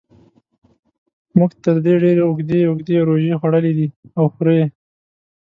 موږ تر دې ډېرې اوږدې اوږدې روژې خوړلې دي او خورو یې.